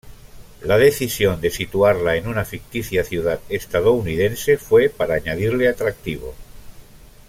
La decisión de situarla en una ficticia ciudad estadounidense fue para añadirle atractivo.